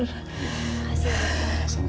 terima kasih dokter